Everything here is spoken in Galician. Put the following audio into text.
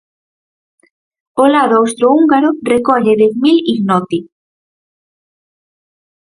O lado austrohúngaro recolle dez mil Ignoti.